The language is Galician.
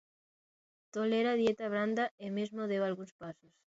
Tolera dieta branda e mesmo deu algúns pasos.